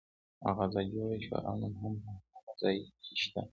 مغازه جوړه شوه او نن هم په هماغه ځای کې شته.